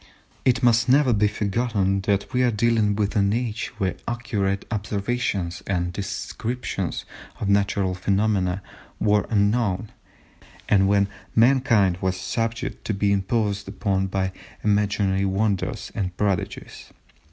It must never be forgotten that we are dealing with an age when accurate observations and descriptions of natural phenomena were unknown, and when mankind was subject to be imposed upon by imaginary wonders and prodigies.